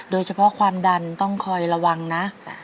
โดยเฉพาะความดันต้องคอยระวังนะ